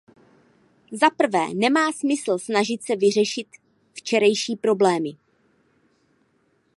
Zaprvé, nemá smysl snažit se vyřešit včerejší problémy.